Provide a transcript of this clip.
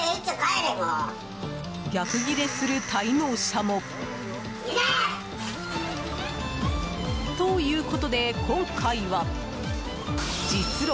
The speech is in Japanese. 逆ギレする滞納者も。ということで今回は実録！